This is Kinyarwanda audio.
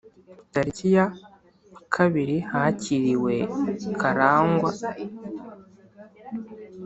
tariki ya kabirihakiriwe karangwa